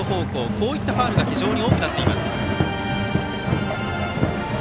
こういったファウルが非常に多くなっています。